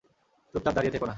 চুপচাপ দাঁড়িয়ে থেকো না!